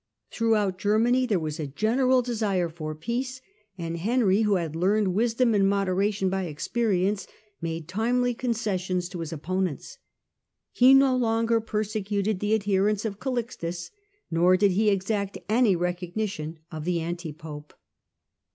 Throughout Germany there was a general desire for peace, and Henry, who had learned wisdom and moderation by experience, made timely concessions to his opponents. He no longer persecuted the adhe rents of Calixtus, nor did he exact any recognition of the anti pope.